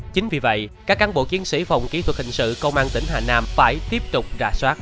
chính vì vậy các cán bộ chiến sĩ phòng kỹ thuật hình sự công an tỉnh hà nam phải tiếp tục rà soát